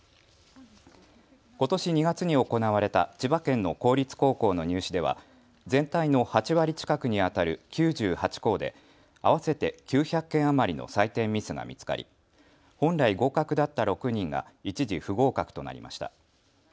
ことし２月に行われた千葉県の公立高校の入試では全体の８割近くにあたる９８校で合わせて９００件余りの採点ミスが見つかり本来、合格だった６人が一時不合格となりました。